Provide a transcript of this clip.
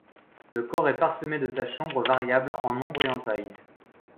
Le corps est parsemé de taches sombres variables en nombre et en taille.